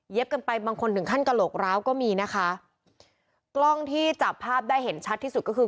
กันไปบางคนถึงขั้นกระโหลกร้าวก็มีนะคะกล้องที่จับภาพได้เห็นชัดที่สุดก็คือ